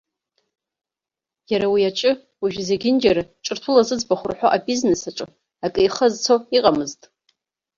Иара уи аҿы, уажәы зегьынџьара ҿырҭәыла зыӡбахә рҳәо абизнес аҿы, акы ихы азцо иҟамызт.